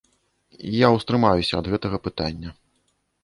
Я ўстрымаюся ад гэтага пытання.